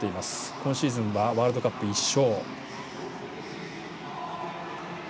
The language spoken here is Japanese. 今シーズンはワールドカップ１勝。